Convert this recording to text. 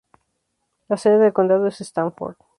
La sede del condado es Stanford.